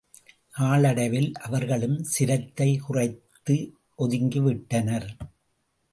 நாளடைவில் அவர்களும் சிரத்தை குறைத்து ஒதுங்கிவிட்டனர்.